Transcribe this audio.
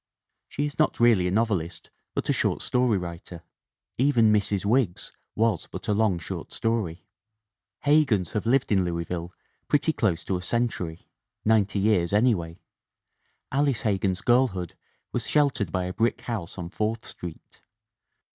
She is not really a novelist but a short story writer. Even Mrs. Wiggs was but a long short story. Hegans have lived in Louisville pretty close to a century ninety years anyway. Alice Hegan' s girl hood was sheltered by a brick house on Fourth Street.